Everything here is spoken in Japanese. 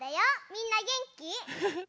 みんなげんき？